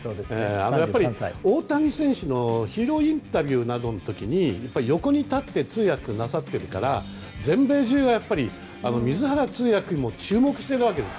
やっぱり大谷選手のヒーローインタビューの時に横に立って通訳なさってるから全米中が水原通訳に注目してるわけです。